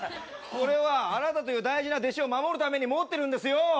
これはあなたという大事な弟子を守るために持ってるんですよ。